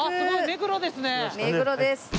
目黒です。